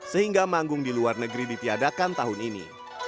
sehingga manggung di luar negeri ditiadakan tahun ini